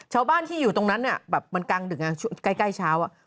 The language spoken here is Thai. ชาวบ้านที่อยู่ตรงนั้นเนี่ยแบบเป็นกลางดึงก็ใกล้ช้าว